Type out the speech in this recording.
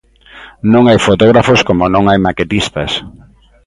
Non hai fotógrafos como non hai maquetistas.